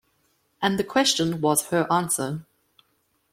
And the question was her answer.